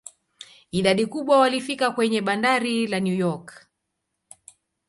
Idadi kubwa walifika kwenye bandari la New York.